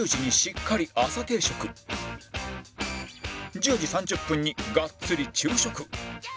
１０時３０分にがっつり昼食